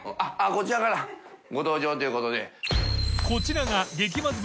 △こちらからご登場ということで。